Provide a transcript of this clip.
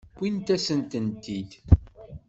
Wwint-asen-tent-id.